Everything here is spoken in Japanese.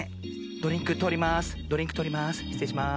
ドリンクとおります。